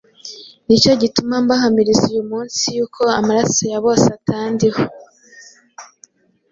Ni cyo gituma mbahamiriza uyu munsi yuko amaraso ya bose atandiho,